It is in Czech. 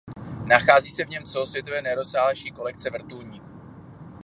Nachází se v něm celosvětově nejrozsáhlejší kolekce vrtulníků.